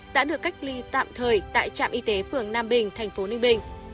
đã được cách ly tạm thời tại trạm y tế phường nam bình thành phố ninh bình